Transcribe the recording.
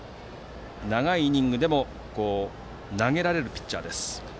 長いイニングでも投げられるピッチャーです。